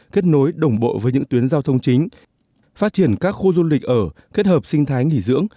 kết nối đồng bộ với những tuyến giao thông chính phát triển các khu du lịch ở kết hợp sinh thái nghỉ dưỡng